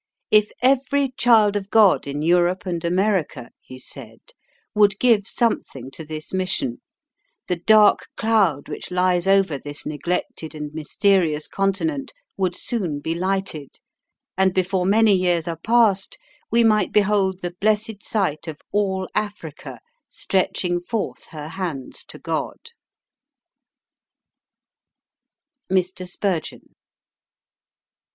"If every child of God in Europe and America," he said, "would give something to this mission, the dark cloud which lies over this neglected and mysterious continent would soon be lighted, and before many years are passed we might behold the blessed sight of all Africa stretching forth her hands to God." MR. SPURGEON.